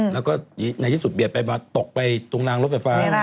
แล้วก็ในที่สุดเบียดไปมาตกไปตรงนางรถไฟฟ้า